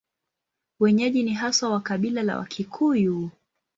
Wenyeji ni haswa wa kabila la Wakikuyu.